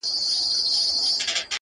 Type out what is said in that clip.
• هلته ليري يوه ښار كي حكمران وو -